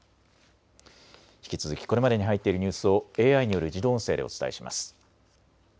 引き続きこれまでに入っているニュースをＡＩによる自動音声でお伝えします。